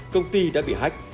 công ty đã bị hách